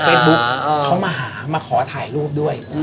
บุ๊คเขามาหามาขอถ่ายรูปด้วย